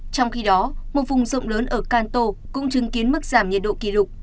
trong khi đó một vùng rộng lớn ở canto cũng chứng kiến mức giảm nhiệt độ kỷ lục